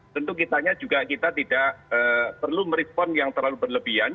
tentu kita juga tidak perlu merespon yang terlalu berlebihan